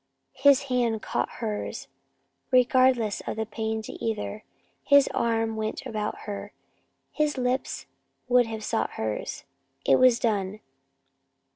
His hand caught hers, regardless of the pain to either. His arm went about her, his lips would have sought hers. It was done!